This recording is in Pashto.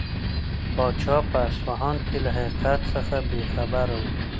پاچا په اصفهان کې له حقیقت څخه بې خبره و.